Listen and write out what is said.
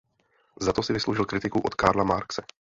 Za to si vysloužil kritiku od Karla Marxe.